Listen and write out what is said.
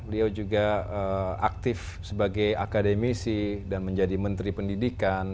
dia aktif sebagai akademisi dan menjadi menteri pendidikan